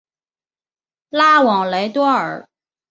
拉旺莱多尔。